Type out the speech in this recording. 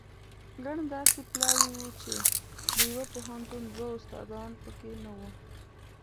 ګڼ داسې پلاوي وو چې د یوه پوهنتون دوه استادان په کې نه وو.